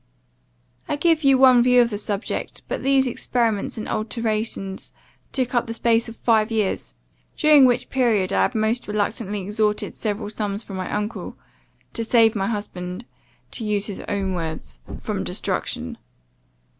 "I give you one view of the subject; but these experiments and alterations took up the space of five years; during which period, I had most reluctantly extorted several sums from my uncle, to save my husband, to use his own words, from destruction.